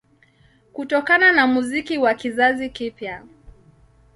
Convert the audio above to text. Kutokana na muziki wa kizazi kipya